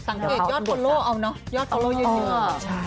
สั่งเอกยอดโฟโล่เอาเนาะยอดโฟโล่เยอะ